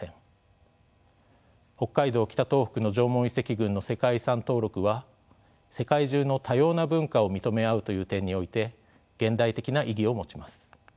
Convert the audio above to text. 北海道・北東北の縄文遺跡群の世界遺産登録は世界中の多様な文化を認め合うという点において現代的な意義を持ちます。